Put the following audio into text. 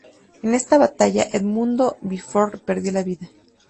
En esta batalla, Edmundo Beaufort perdió la vida.